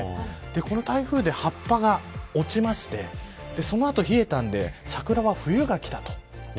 この台風で葉っぱが落ちてその後冷えたので桜は冬がきたと。